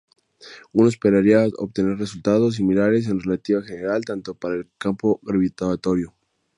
Uno esperaría obtener resultados similares en relatividad general tanto para el campo gravitatorio.